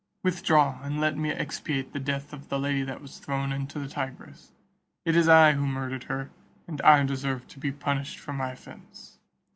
Withdraw, and let me expiate the death of the lady that was thrown into the Tigris. It is I who murdered her, and I deserve to be punished for my offence."